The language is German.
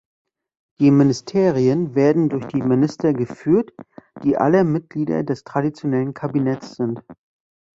Die Ministerien werden durch die Minister geführt, die alle Mitglieder des traditionellen Kabinetts sind.